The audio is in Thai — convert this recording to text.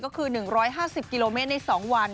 ก็คือ๑๕๐กิโลเมตรใน๒วัน